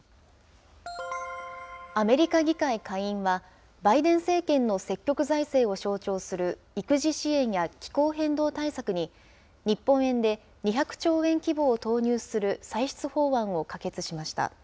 アメリカ議会下院は、バイデン政権の積極財政を象徴する育児支援や気候変動対策に、日本円で２００兆円規模を投入する歳出法案を可決しました。